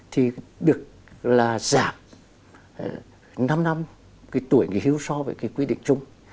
thì được là giảm năm năm cái tuổi nghỉ hưu so với cái quy định chung